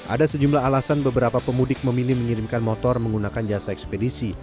ada sejumlah alasan beberapa pemudik memilih mengirimkan motor menggunakan jasa ekspedisi